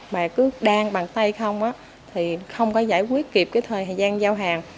mà cứ đan bằng tay không thì không có giải quyết kịp thời gian giao hàng